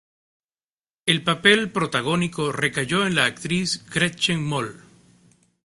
El papel protagónico recayó en la actriz Gretchen Mol.